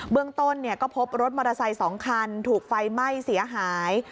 เมืองต้นก็พบรถมอเตอร์ไซค์๒คันถูกไฟไหม้เสียหาย